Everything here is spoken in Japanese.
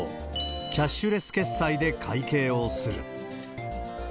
キャッシュレス決済で会計をする。